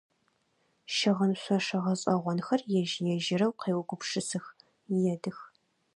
Щыгъын шъошэ гъэшӏэгъонхэр ежь-ежьырэу къеугупшысых, едых.